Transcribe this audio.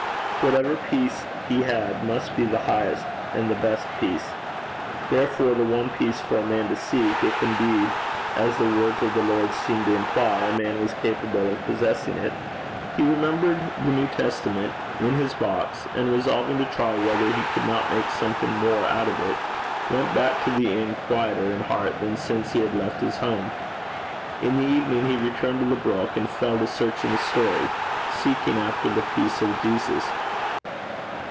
Whatever peace he had must be the highest and best peace therefore the one peace for a man to seek, if indeed, as the words of the Lord seemed to imply, a man was capable of possessing it. He remembered the New Testament in his box, and, resolving to try whether he could not make something more out of it, went back to the inn quieter in heart than since he left his home. In the evening he returned to the brook, and fell to searching the story, seeking after the peace of Jesus.